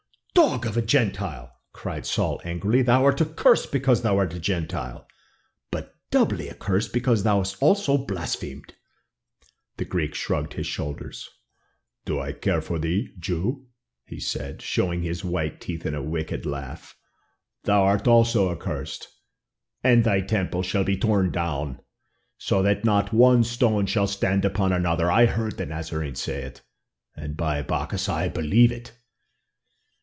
"Dog of a Gentile," cried Saul angrily, "thou art accursed because thou art a Gentile, but doubly accursed because thou hast also blasphemed." The Greek shrugged his shoulders. "Do I care for thee, Jew?" he said, showing his white teeth in a wicked laugh. "Thou also art accursed, and thy temple shall be torn down, so that not one stone shall stand upon another. I heard the Nazarene say it, and, by Bacchus, I believe it."